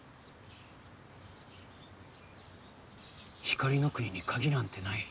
光の国に鍵なんてない。